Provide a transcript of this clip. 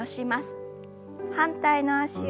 反対の脚を。